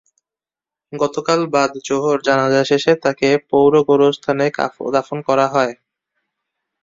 গতকাল বাদ জোহর জানাজা শেষে তাঁকে পৌর গোরস্থানে দাফন করা হয়।